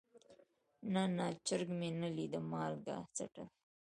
نه نه چرګ مې نه ليده مالګه څټل.